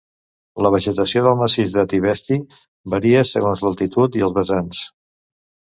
La vegetació del massís de Tibesti varia segons l'altitud i els vessants.